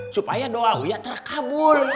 supaya doa uya terkabul